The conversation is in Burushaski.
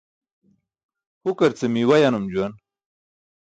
Hukar ce miiwa yanum juwan.